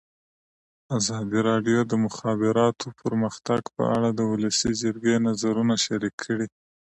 ازادي راډیو د د مخابراتو پرمختګ په اړه د ولسي جرګې نظرونه شریک کړي.